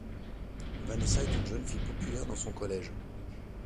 Vanessa est une jeune fille populaire dans son collège.